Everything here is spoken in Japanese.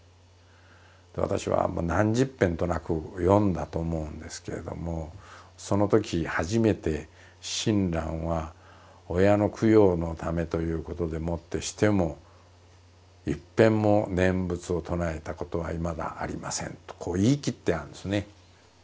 私はもう何十ぺんとなく読んだと思うんですけれどもそのとき初めて親鸞は親の供養のためということでもってしてもいっぺんも念仏を唱えたことはいまだありませんとこう言い切ってあるんですね。